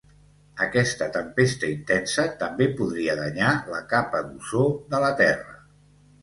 Aquesta tempesta intensa també podria danyar la capa d'ozó de la Terra.